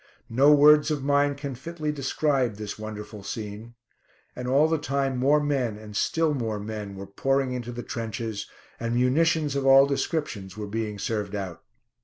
No words of mine can fitly describe this wonderful scene. And all the time more men, and still more men, were pouring into the trenches, and munitions of all descriptions were being served out.